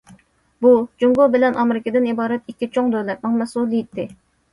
بۇ، جۇڭگو بىلەن ئامېرىكىدىن ئىبارەت ئىككى چوڭ دۆلەتنىڭ مەسئۇلىيىتى.